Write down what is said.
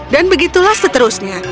dan begitulah seterusnya